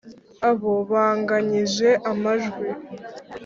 abo banganyije amajwi